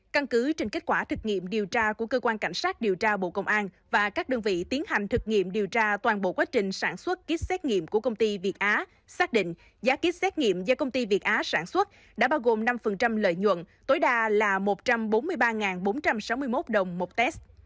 căn cứ trên kết quả thực nghiệm điều tra của cơ quan cảnh sát điều tra bộ công an và các đơn vị tiến hành thực nghiệm điều tra toàn bộ quá trình sản xuất kýt xét nghiệm của công ty việt á xác định giá kýt xét nghiệm do công ty việt á sản xuất đã bao gồm năm lợi nhuận tối đa là một trăm bốn mươi ba bốn trăm sáu mươi một đồng một test